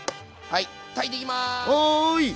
はい！